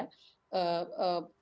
kemudian hakim juga mengatakan bahwa